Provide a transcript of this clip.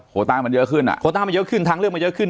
โหตั้งมันเยอะขึ้นอ่ะโหตั้งมันเยอะขึ้นทั้งเรื่องมันเยอะขึ้น